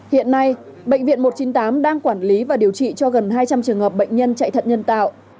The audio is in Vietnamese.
hiện nay bệnh viện một trăm chín mươi tám đang quản lý và điều trị cho gần hai trăm linh trường hợp bệnh nhân chạy thận nhân tạo